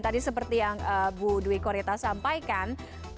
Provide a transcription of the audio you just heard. tadi seperti yang bu dwi korita sampaikan